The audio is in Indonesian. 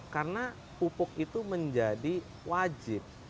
karena pupuk itu menjadi wajib